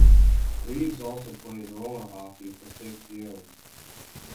Reeves also played roller hockey for six years.